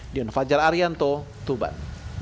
dion fajar arianto tuban